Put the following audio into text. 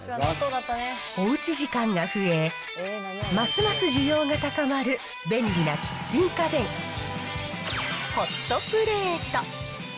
おうち時間が増え、ますます需要が高まる便利なキッチン家電、ホットプレート。